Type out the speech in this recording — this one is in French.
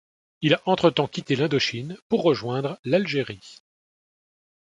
Il a entretemps quitté l'Indochine pour rejoindre l'Algérie.